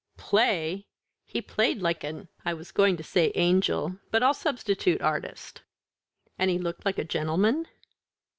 "Play! He played like an I was going to say an angel, but I'll substitute artist." "And he looked like a gentleman?"